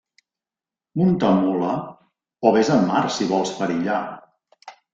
Munta mula o vés en mar si vols perillar.